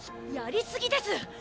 やりすぎです！！